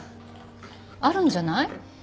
あるんじゃない？